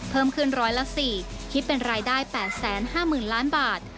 เพิ่มขึ้นร้อยละ๔คิดเป็นรายได้๘๕๐๐๐ล้านบาท